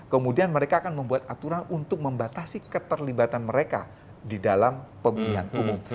kemudian mereka akan membuat aturan untuk membatasi keterlibatan mereka di dalam pemilihan umum